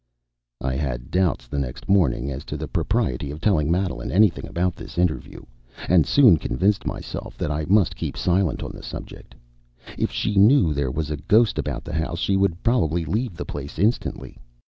I had doubts the next morning as to the propriety of telling Madeline anything about this interview, and soon convinced myself that I must keep silent on the subject. If she knew there was a ghost about the house, she would probably leave the place instantly.